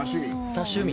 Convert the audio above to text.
多趣味。